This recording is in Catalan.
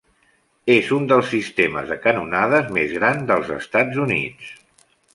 És un dels sistemes de canonades més gran dels Estats Units.